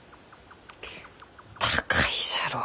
高いじゃろう。